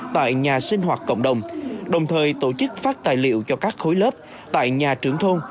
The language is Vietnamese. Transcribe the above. tại nhà sinh hoạt cộng đồng đồng thời tổ chức phát tài liệu cho các khối lớp tại nhà trưởng thôn